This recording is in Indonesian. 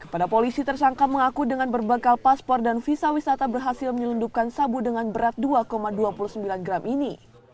pada polisi tersangka mengaku dengan berbekal paspor dan visa wisata berhasil menyelundupkan sabu dengan berat dua dua puluh sembilan gram ini